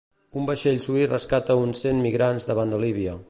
Un vaixell suís rescata uns cent migrants davant de Líbia.